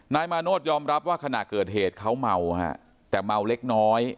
นายมาโนธยอมรับว่าขณะเกิดเหตุเขาเมาฮะแต่เมาเล็กน้อย